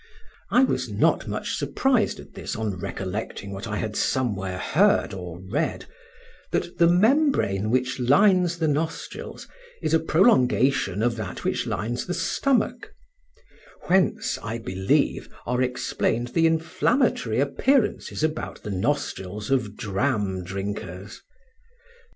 I was not much surprised at this on recollecting what I had somewhere heard or read, that the membrane which lines the nostrils is a prolongation of that which lines the stomach; whence, I believe, are explained the inflammatory appearances about the nostrils of dram drinkers.